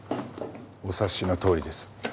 お察しのとおりです。